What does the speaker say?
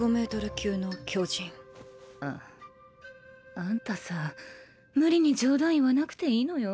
あんたさ無理に冗談言わなくていいのよ。